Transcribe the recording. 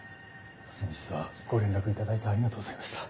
先日はご連絡頂いてありがとうございました。